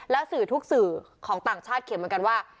แล้วสื่อทุกสื่อของต่างชาติเขียนเหมือนกันว่า